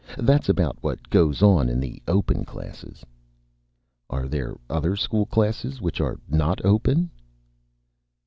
That's about what goes on in the open classes." "Are there other school classes which are not open?"